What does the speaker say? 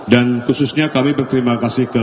dan saya ingin mengucapkan terima kasih kepada